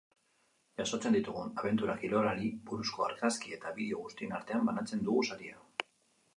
Jasotzen ditugun abentura-kirolari buruzko argazki eta bideo guztien artean banatzen dugu saria.